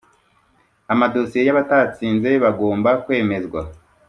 amadosiye y’abatsinze bagomba kwemezwa